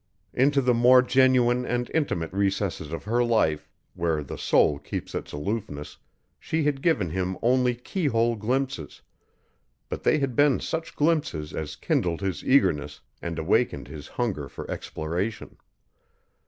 Into the more genuine and intimate recesses of her life, where the soul keeps its aloofness, she had given him only keyhole glimpses, but they had been such glimpses as kindled his eagerness and awakened his hunger for exploration.